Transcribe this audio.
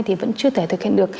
thì vẫn chưa thể thực hiện được